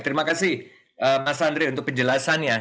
terima kasih mas andre untuk penjelasannya